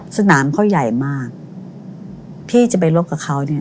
สนามเขาใหญ่มากพี่จะไปลบกับเขาเนี่ย